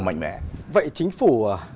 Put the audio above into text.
mạnh mẽ vậy chính phủ